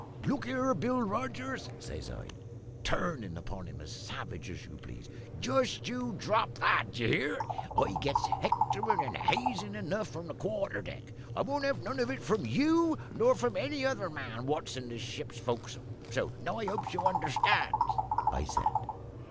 "`Look here, Bill Rogers,' says I, turnin' upon him as savage as you please, `just you drop that d'ye hear? I gets hectorin' and hazin' enough from the quarter deck; I won't have none of it from you, nor from any other man what's in this ship's fo'c's'le; so now I hopes you understand,' I says.